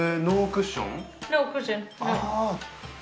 ノークッション。